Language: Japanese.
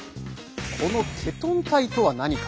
このケトン体とは何か？